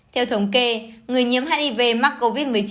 theo thống kê người nhiễm hiv mắc covid một mươi chín